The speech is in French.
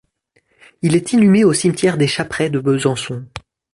Il est inhumé au Cimetière des Chaprais de Besançon.